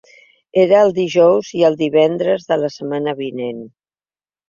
Era el dijous i el divendres de la setmana vinent.